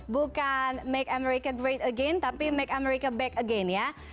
bukan make america great again tapi make america back again ya